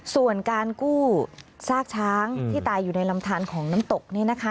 ส่วนการกู้ซากช้างที่ตายอยู่ในลำทานของน้ำตกเนี่ยนะคะ